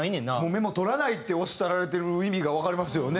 メモ取らないっておっしゃられてる意味がわかりますよね。